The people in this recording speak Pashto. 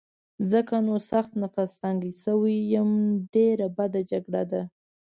ځکه نو سخت نفس تنګی شوی یم، ډېره بده جګړه ده.